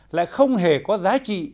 lại không hề có giá trị